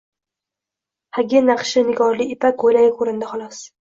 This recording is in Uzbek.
Xagi naqshi nigorli ipak ko‘ylagi ko‘rindi, xolos.